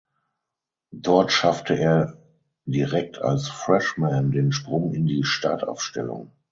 Dort schaffte er direkt als Freshman den Sprung in die Startaufstellung.